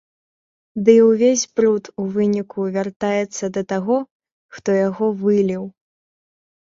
Ды і ўвесь бруд, у выніку, вяртаецца да таго, хто яго выліў.